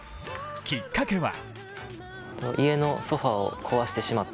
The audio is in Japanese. きっかけは？